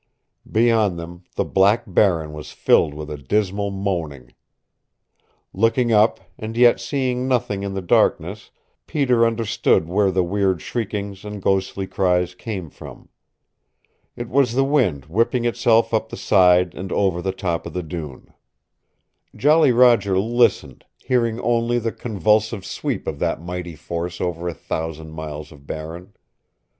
Beyond them the black barren was filled with a dismal moaning. Looking up, and yet seeing nothing in the darkness, Peter understood where the weird shriekings and ghostly cries came from. It was the wind whipping itself up the side and over the top of the dune. Jolly Roger listened, hearing only the convulsive sweep of that mighty force over a thousand miles of barren.